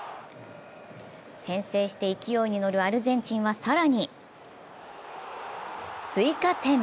先制して勢いに乗るアルゼンチンは更に追加点。